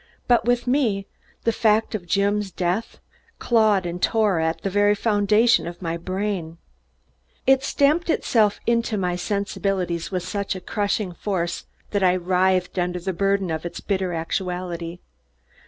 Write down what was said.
But with me, the fact of Jim's death clawed and tore at the very foundation of my brain. It stamped itself into my sensibilities with such crushing force that I writhed under the burden of its bitter actuality.